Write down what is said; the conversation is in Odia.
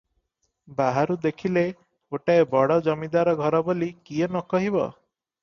ବାହାରୁ ଦେଖିଲେ ଗୋଟାଏ ବଡ଼ ଜମିଦାର ଘର ବୋଲି କିଏ ନ କହିବ?